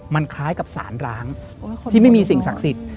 มันคล้ายกับสารร้างที่ไม่มีสิ่งศักดิ์สิทธิ์